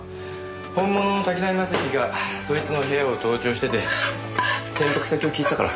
本物の滝浪正輝がそいつの部屋を盗聴してて潜伏先を聞いてたから。